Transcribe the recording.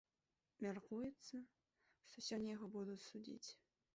Мяркуецца, што сёння яго будуць судзіць.